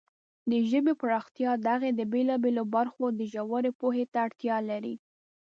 د ژبې پراختیا د هغې د بېلابېلو برخو د ژورې پوهې ته اړتیا لري.